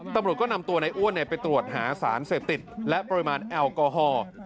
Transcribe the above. ตำรวจก็นำตัวในอ้วนไปตรวจหาสารเสพติดและปริมาณแอลกอฮอล์